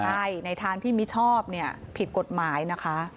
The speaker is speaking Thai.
ใช่ในทางที่มิชอบเนี่ยผิดกฎหมายนะคะ